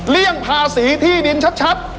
เลี่ยงภาษีที่ดินชัด